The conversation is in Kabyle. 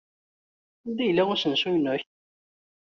Anda yella usensu-nnek?